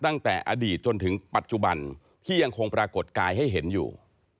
ตั้งแต่อดีตจนถึงปัจจุบันที่ยังคงปรากฏกายให้เห็นอยู่